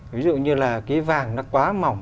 ví dụ như là cái vàng nó quá mỏng